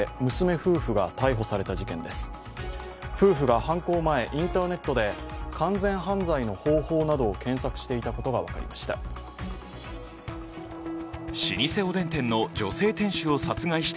夫婦が犯行前インターネットで完全犯罪の方法などを検索していたことが分かりました。